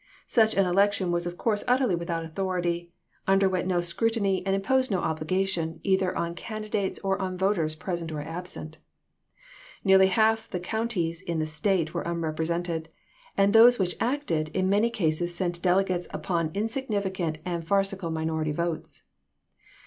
Such an election was of course utterly without authority, underwent no scrutiny TEXAS 183 and imposed no obligation, either on candidates or chap. ix. on voters present or absent. Nearly half the counties in the State were unrepresented, and those which acted, in many cases sent delegates cyciopa upon insignificant and farcical minority votes.